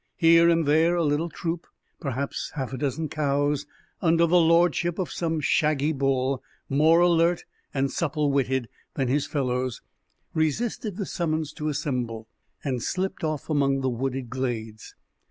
Here and there a little troop perhaps half a dozen cows under the lordship of some shaggy bull more alert and supple witted than his fellows resisted the summons to assemble, and slipped off among the wooded glades.